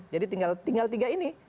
jadi tinggal tiga ini